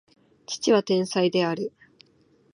父は天才である